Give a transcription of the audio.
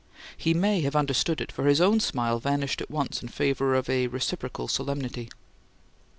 He may have understood it; for his own smile vanished at once in favour of a reciprocal solemnity.